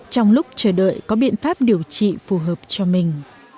trong lúc chờ đợi có biện pháp điều trị phù hợp cho mình